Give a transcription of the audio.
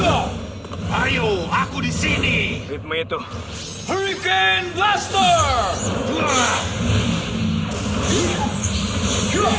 lambat sekali mari kita juga ke depannya sesungguhnya speed illusion